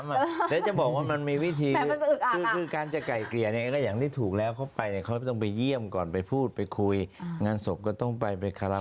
มาจะบอกว่ามันมีวิธีคือการแจกลี่ะเกลี่ยอย่างนี้ถูกแล้วเขาไป